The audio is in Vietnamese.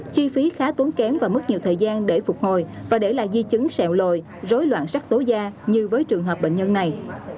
chi phí khá tốn kém và mất nhiều thời gian để phục hồi và để lại di chứng xẹo lồi rối loạn sắc tố da như với trường hợp bệnh nhân này